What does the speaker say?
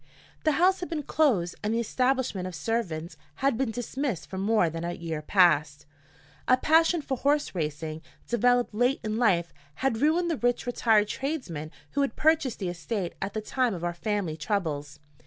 The house had been closed and the establishment of servants had been dismissed for more than a year past. A passion for horse racing, developed late in life, had ruined the rich retired tradesman who had purchased the estate at the time of our family troubles.